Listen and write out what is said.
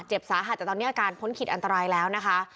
เจ็บสาหัสแต่ตอนนี้อาการพ้นขิดอันตรายแล้วนะคะ